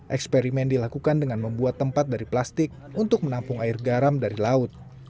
eksperimen dilakukan dengan membuat tempat dari plastik untuk menampung air garam dari laut